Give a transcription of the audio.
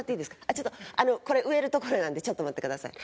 ちょっとあのこれ植えるところなんでちょっと待ってください。